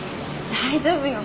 大丈夫よ。